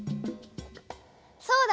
そうだ。